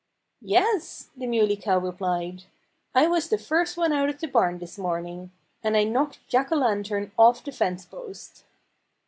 "Yes!" the Muley Cow replied. "I was the first one out of the barn this morning. And I knocked Jack O'Lantern off the fence post."